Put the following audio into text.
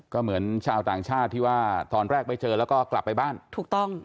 ก็เหมือนชาวต่างชาติที่ว่าตอนแรกไม่เจอแล้วก็กลับไปบ้านถูกต้อง